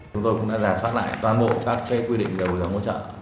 chúng tôi cũng đã giả sát lại toàn bộ các quyết định đầu dòng hỗ trợ